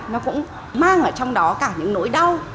nó cũng mang ở trong đó cả những nỗi đau